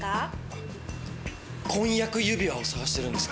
あっ婚約指輪を探してるんですが。